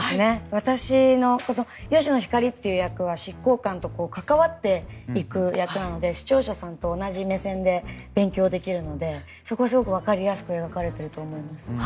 私の吉野ひかりっていう役は執行官と関わっていく役なので視聴者さんと同じ目線で勉強できるのでそこがすごくわかりやすく描かれていると思います。